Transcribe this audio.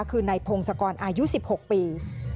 คือนายพงศกรอายุ๑๖ปี